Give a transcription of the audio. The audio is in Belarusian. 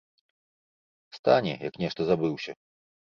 Стане, як нешта забыўся.